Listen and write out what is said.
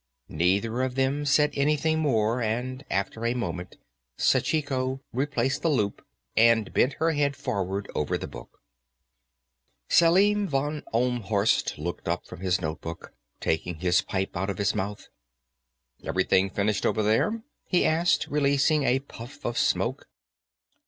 Neither of them said anything more, and after a moment Sachiko replaced the loup and bent her head forward over the book. Selim von Ohlmhorst looked up from his notebook, taking his pipe out of his mouth. "Everything finished, over there?" he asked, releasing a puff of smoke.